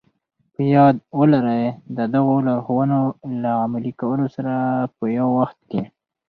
په ياد ولرئ د دغو لارښوونو له عملي کولو سره په يوه وخت کې.